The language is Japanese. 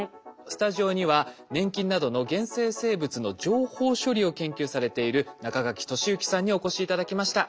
スタジオには粘菌などの原生生物の情報処理を研究されている中垣俊之さんにお越し頂きました。